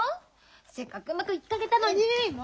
せっかくうまくいきかけたのにもう！